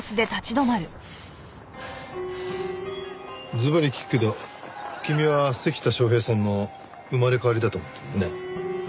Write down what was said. ずばり聞くけど君は関田昌平さんの生まれ変わりだと思ってるんだね？